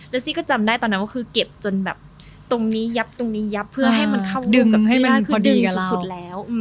แล้วซี่ก็จำได้ตอนนั้นก็คือเก็บจนแบบตรงนี้ยับตรงนี้ยับเพื่อให้มันเข้าดึงร่างคือดึงสุดแล้ว